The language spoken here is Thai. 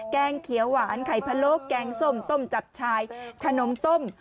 แกงเขียวหวานไข่พะโลกแกงส้มต้มจับชายขนมต้ม